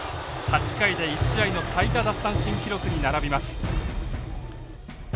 ８回で１試合の最多奪三振記録に並びます。